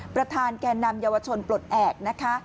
ประธานแก่นำเยาวชนปลดแอบนะคะ